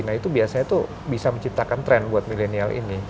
nah itu biasanya tuh bisa menciptakan tren buat milenial ini